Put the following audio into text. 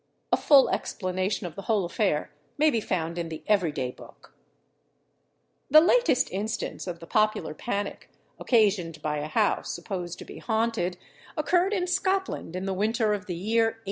A full explanation of the whole affair may be found in the Every day Book. The latest instance of the popular panic occasioned by a house supposed to be haunted, occurred in Scotland, in the winter of the year 1838.